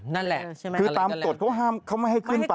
นั่นแหละคือตามตรวจเขาห้ามเขาไม่ให้ขึ้นไป